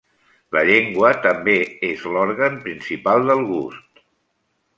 La llengua també és l'òrgan principal del gust.